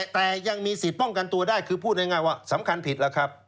แต่ยังมีสิทธิ์ป้องกันตัวได้คือพูดง่ายว่าสำคัญผิดแล้วครับ